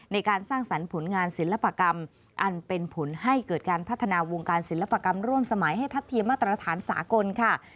ในการสร้างสรรค์ผลงานศิลปกรรมอันเป็นผลให้เกิดการพัฒนาวงการศิลปกรรมร่วมสมัยให้ทัดเทียมมาตรฐานสากลค่ะ